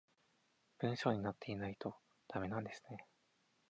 文章になってないとダメなんですね